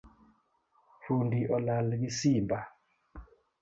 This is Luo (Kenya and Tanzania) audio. Fundi olal gi simba